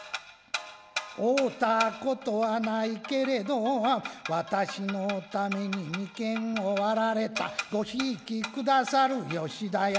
会うたことはないけれど私の為に眉間を割られたご贔屓くださる吉田屋